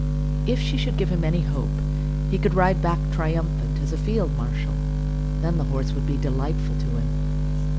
If she should give him any hope, he could ride back triumphant as a field marshal. Then the horse would be delightful to him.